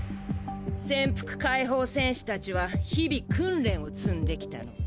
潜伏解放戦士達は日々訓練を積んできたの。